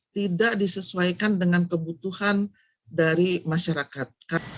tidak disesuaikan dengan kebutuhan dari masyarakat